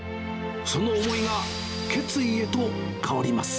その思いが決意へと変わります。